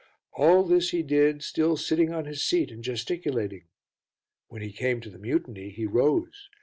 All this he did, still sitting on his seat and gesticulating. When he came to the mutiny he rose.